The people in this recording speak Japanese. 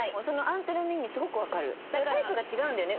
タイプが違うんだよね